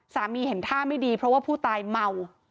เห็นท่าไม่ดีเพราะว่าผู้ตายเมา